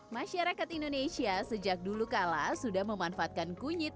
masyarakat indonesia sejak dulu kala sudah memanfaatkan kunyit